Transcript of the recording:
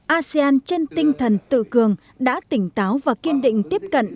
asean trên tinh thần tự cường đã tỉnh táo và kiên định tiếp cận